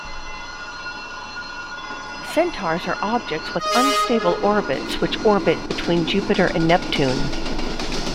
Centaurs are objects with unstable orbits which orbit between Jupiter and Neptune.